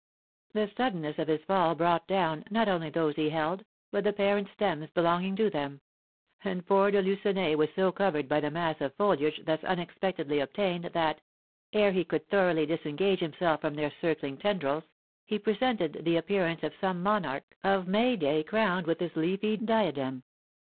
The suddenness of his fall brought down, not only those he held, but the parent stems belonging to them; and poor De Lucenay was so covered by the mass of foliage thus unexpectedly obtained, that, ere he could thoroughly disengage himself from their circling tendrils, he presented the appearance of some monarch of May day crowned with his leafy diadem.